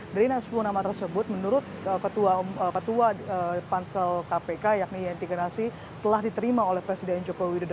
dari enam puluh nama tersebut menurut ketua pansel kpk yakni yanti genasi telah diterima oleh presiden jokowi dodo